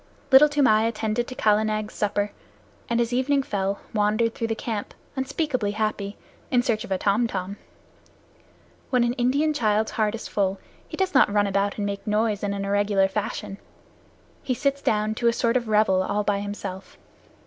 Little Toomai attended to Kala Nag's supper, and as evening fell, wandered through the camp, unspeakably happy, in search of a tom tom. When an Indian child's heart is full, he does not run about and make a noise in an irregular fashion. He sits down to a sort of revel all by himself.